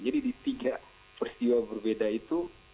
jadi di tiga peristiwa berbeda itu